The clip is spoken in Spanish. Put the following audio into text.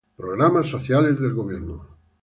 Programas sociales del Gobierno